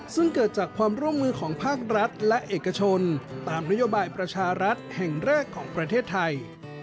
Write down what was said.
ซึ่งเกิดจากความร่วมมือของภาครัฐและเอกชนตามนโยบายประชารัฐแห่งแรกของประเทศไทย